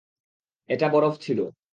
এটা বরফ ছিল।